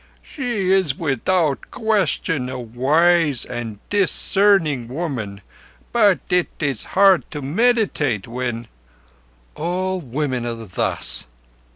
"She is beyond question a wise and a discerning woman. But it is hard to meditate when—" "All women are thus."